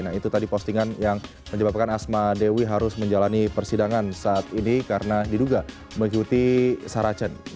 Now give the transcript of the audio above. nah itu tadi postingan yang menyebabkan asma dewi harus menjalani persidangan saat ini karena diduga mengikuti saracen